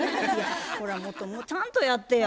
ほらもっとちゃんとやってや。